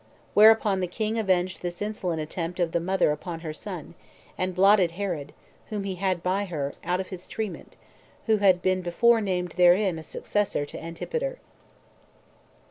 Whereupon the king avenged this insolent attempt of the mother upon her son, and blotted Herod, whom he had by her, out of his tretament, who had been before named therein as successor to Antipater.